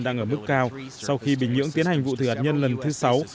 đang ở mức cao sau khi bình nhưỡng tiến hành vụ thử hạt nhân lần thứ sáu